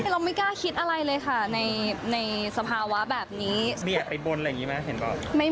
เราไม่กล้าคิดอะไรเลยค่ะในสภาวะแบบนี้